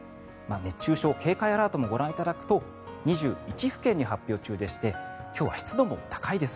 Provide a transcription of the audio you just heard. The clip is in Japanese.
熱中症警戒アラートもご覧いただくと２１府県に発表中でして今日は湿度も高いです。